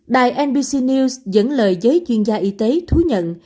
đài nbc news dẫn lời giới chuyên gia y tế thú nhận